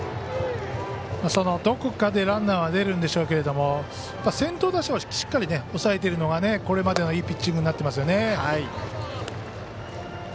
どこかでランナーは出るんでしょうが先頭打者をしっかり抑えているのがこれまでのいいピッチングになってますよね。